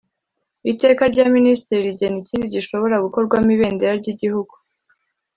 iteka rya minisitiri rigena ikindi gishobora gukorwamo ibendera ry igihugu